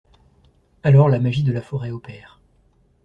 Alors, la magie de la forêt opère.